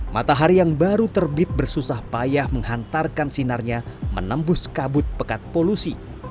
matahari yang baru terbit bersusah payah menghantarkan sinarnya menembus kabut pekat polusi